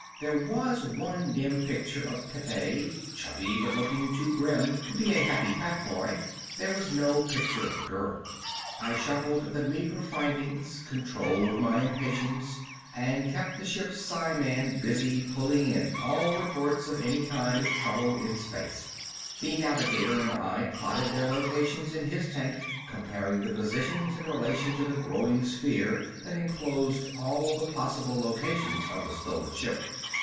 There was one dim picture of Pepe, chubby but looking too grim to be a happy fat boy. There was no picture of the girl. I shuffled the meager findings, controlled my impatience, and kept the ship's psiman busy pulling in all the reports of any kind of trouble in space. The navigator and I plotted their locations in his tank, comparing the positions in relation to the growing sphere that enclosed all the possible locations of the stolen ship.